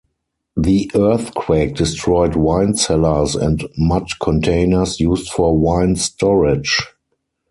The earthquake destroyed wine cellars and mud containers used for wine storage.